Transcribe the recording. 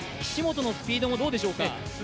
岸本のスピードもどうでしょうか。